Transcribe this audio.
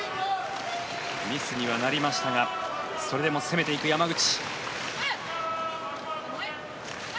ミスにはなりましたがそれでも攻めていく山口。